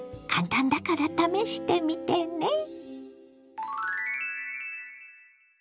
簡単だから試してみてね。